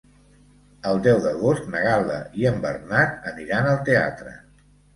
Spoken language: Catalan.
El deu d'agost na Gal·la i en Bernat aniran al teatre.